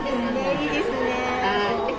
いいですね。